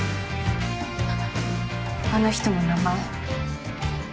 あの人の名前。